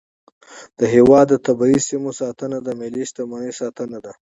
د هیواد د طبیعي سیمو ساتنه د ملي شتمنۍ ساتنه ده.